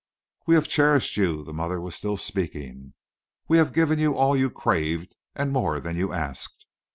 "We have cherished you." The mother was still speaking. "We have given you all you craved, and more than you asked.